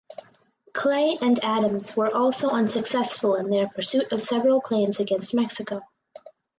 Clay and Adams were also unsuccessful in their pursuit of several claims against Mexico.